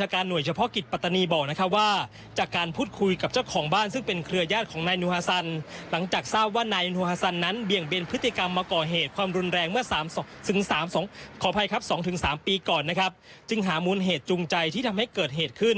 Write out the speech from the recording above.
เกิดขึ้นแรงเมื่อ๒๓ปีก่อนจึงหามูลเหตุจุงใจที่ทำให้เกิดเหตุขึ้น